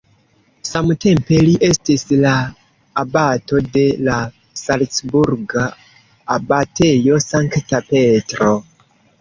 Samtempe li estis la abato de la salcburga abatejo Sankta Petro.